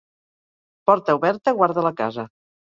Porta oberta guarda la casa.